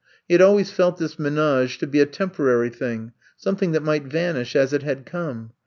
He had always felt this menage to be a tem porary thing, something that might vanish as it had come.